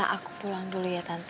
aku pulang dulu ya tante